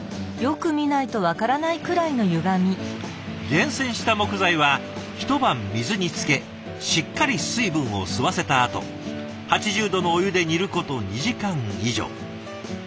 厳選した木材は一晩水につけしっかり水分を吸わせたあと８０度のお湯で煮ること２時間以上。